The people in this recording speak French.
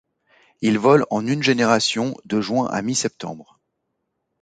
Il vole en une génération, de juin à mi-septembre.